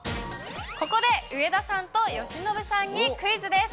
ここで上田さんと由伸さんにクイズです。